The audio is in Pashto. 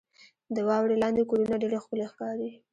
• د واورې لاندې کورونه ډېر ښکلي ښکاري.